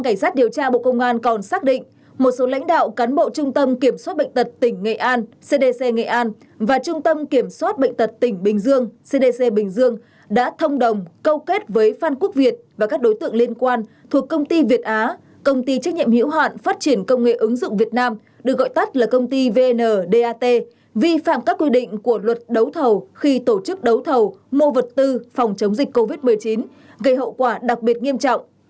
theo điều tra bộ công an còn xác định một số lãnh đạo cán bộ trung tâm kiểm soát bệnh tật tỉnh nghệ an cdc nghệ an và trung tâm kiểm soát bệnh tật tỉnh bình dương cdc bình dương đã thông đồng câu kết với phan quốc việt và các đối tượng liên quan thuộc công ty việt á công ty trách nhiệm hiểu hoạn phát triển công nghệ ứng dụng việt nam được gọi tắt là công ty vndat vi phạm các quy định của luật đấu thầu khi tổ chức đấu thầu mô vật tư phòng chống dịch covid một mươi chín gây hậu quả đặc biệt nghiêm trọng